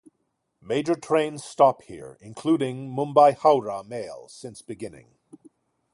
Major trains stop here including Mumbai-Howrah Mail since beginning.